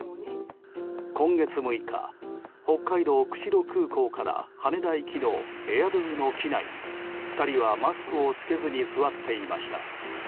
今月６日、北海道釧路空港から羽田行きのＡＩＲＤＯの機内に２人はマスクを着けずに座っていました。